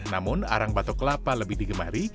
namun arang batok kelapa lebih digemari